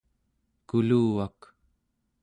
kuluvak